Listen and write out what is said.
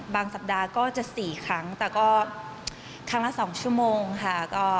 สัปดาห์ก็จะ๔ครั้งแต่ก็ครั้งละ๒ชั่วโมงค่ะ